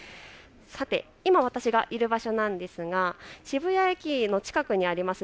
今、私がいる場所なんですが渋谷駅の近くにあります